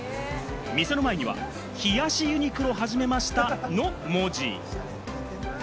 店の前には、「冷やしユニクロ始めました」の文字。